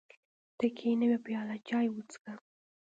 ته کېنه یوه پیاله چای وڅښه.